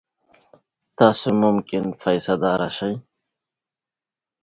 د سفر یادښتونه په یوه مجله کې خپاره شول.